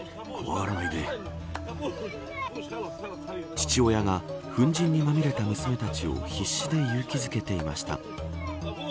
父親が粉塵にまみれた娘たちを必死で勇気づけていました。